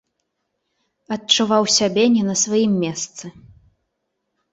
Адчуваў сябе не на сваім месцы.